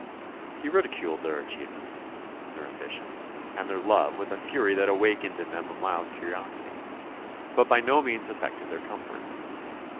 He ridiculed their achievements, their ambitions, and their love with a fury that awakened in them a mild curiosity, but by no means affected their 232 THE BIOGRAPHY OF A SUPERMAN comfort.